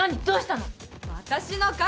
どうしたの？